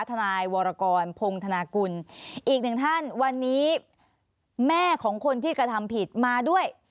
ทนายวรกรพงธนากุลอีกหนึ่งท่านวันนี้แม่ของคนที่กระทำผิดมาด้วย